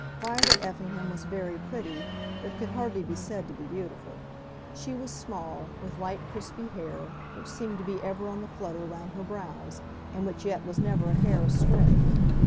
Violet Effingham was very pretty, but could hardly be said to be beautiful. She was small, with light crispy hair, which seemed to be ever on the flutter round her brows, and which yet was never a hair astray.